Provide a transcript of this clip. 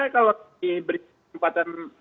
kalau diberi tempatan